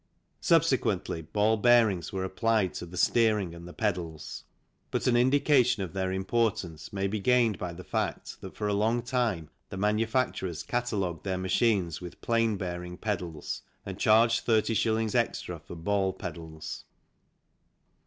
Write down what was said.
Sub sequently ball bearings were applied to the steering and the pedals, but an indication of their importance may be gained by the fact that for a long time the manufacturers catalogued their machines with plain bearing pedals and charged 30s. extra for ball pedals.